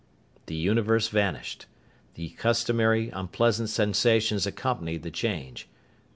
The universe vanished. The customary unpleasant sensations accompanied the change.